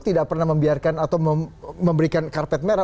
tidak pernah membiarkan atau memberikan karpet merah